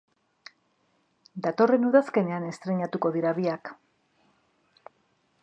Datorren udazkenean estreinatuko dira biak.